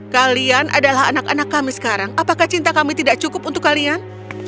kalian adalah anak anak kami sekarang apakah cinta kami tidak cukup untuk kalian